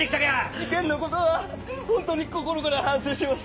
事件のことは本当に心から反省してます。